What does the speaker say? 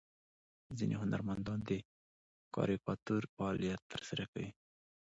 ځینې هنرمندان د کاریکاتور فعالیت ترسره کوي.